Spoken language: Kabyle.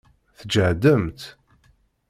Tǧehdemt?